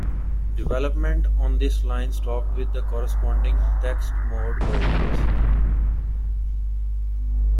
Development on this line stopped with the corresponding text mode versions.